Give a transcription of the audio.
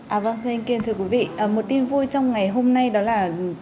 à vâng thank you thưa quý vị một tin vui trong ngày hôm nay đó là